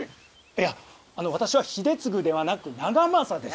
いや私は秀次ではなく長政です。